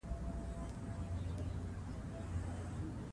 د جنګ پر ځای قلم واخلئ.